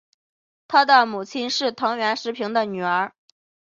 他的母亲是藤原时平的女儿。